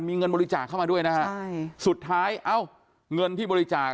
มีเงินบริจาคเข้ามาด้วยนะฮะใช่สุดท้ายเอ้าเงินที่บริจาค